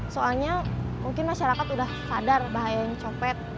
soalnya mungkin masyarakat sudah sadar bahaya yang copet